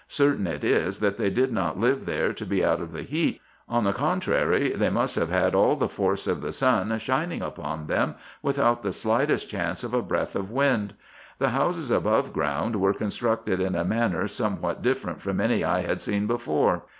Certain it is that they did not live there to he out of the heat ; on the contrary, they must have had all the force of the sun shining upon them, without the slightest chance of a breath of wind. The houses above ground were con structed in a manner somewhat different from any I had seen before.